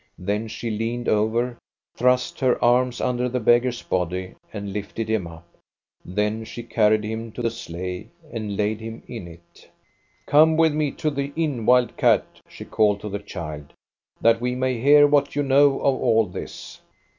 Then she leaned over, thrust her arms under the beggar's body, and lifted him up. Then she carried him to the sleigh and laid him in it. " Come with me to the inn, wild cat," she called to the child, " that we may hear what. you know of all this."